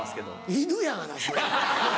犬やがなそれ。